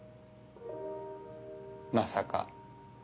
まさか。